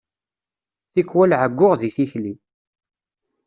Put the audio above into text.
Tikwal εeyyuɣ deg tikli.